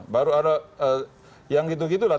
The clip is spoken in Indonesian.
baru ada yang gitu gitu lah